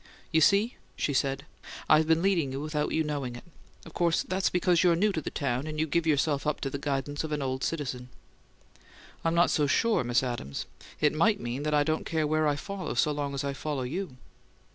"You see?" she said. "I've been leading you without your knowing it. Of course that's because you're new to the town, and you give yourself up to the guidance of an old citizen." "I'm not so sure, Miss Adams. It might mean that I don't care where I follow so long as I follow you."